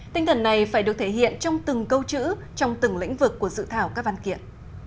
tinh thần này phải được thể hiện trong từng câu chữ trong từng lĩnh vực của dự thảo các văn kiện